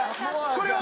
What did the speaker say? これは。